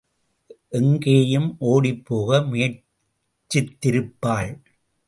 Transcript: எங்கேயும் ஓடிப்போக முயற்சித்திருப்பாள்.